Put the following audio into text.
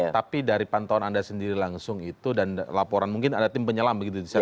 tapi dari pantauan anda sendiri langsung itu dan laporan mungkin ada tim penyelam begitu di sana